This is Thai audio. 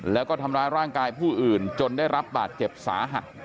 แล้วก็ทำร้ายร่างกายผู้อื่นจนได้รับบาดเจ็บสาหัส